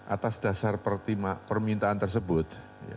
atas dasar permintaan tersebut